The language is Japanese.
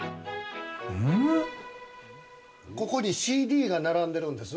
ここにＣＤが並んでるんです。